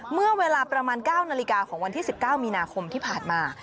เมื่อเวลาประมาณ๙นาฬิกาของวันที่๑๙มีนาคมที่ผ่านมา